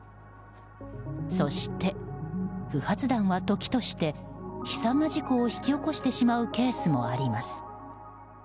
そして、不発弾は時として悲惨な事故を引き起こしてしまうケースもあります。